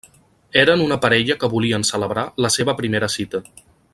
Eren una parella que volien celebrar la seva primera cita.